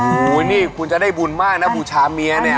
โอ้โหนี่คุณจะได้บุญมากนะบูชาเมียเนี่ย